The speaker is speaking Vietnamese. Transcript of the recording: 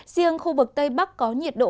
riêng khu vực tây bắc có nhiệt độ dưới hai mươi độ